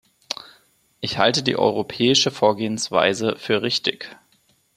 Ich halte die europäische Vorgehensweise für richtig.